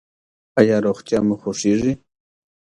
ایا روغتیا مو خوښیږي؟